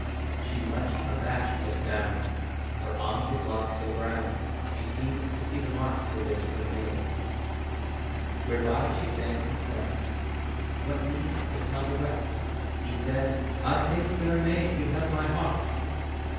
She, much abashed, looks down, For on his locks so brown She seems to see the marks her lips have made. Whereby she stands confest; What need to tell the rest? He said, "I think, fair maid, you have my heart.